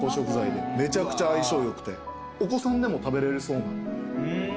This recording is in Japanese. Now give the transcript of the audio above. めちゃくちゃ相性良くてお子さんでも食べれそうな。